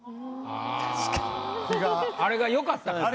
あれがよかったからね。